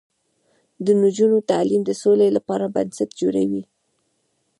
د نجونو تعلیم د سولې لپاره بنسټ جوړوي.